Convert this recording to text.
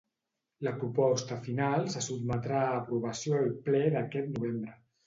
La proposta final se sotmetrà a aprovació al Ple d'aquest novembre.